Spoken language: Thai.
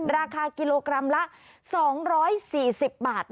ราคากิโลกรัมละ๒๔๐บาท